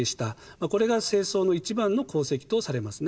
これが世宗の一番の功績とされますね。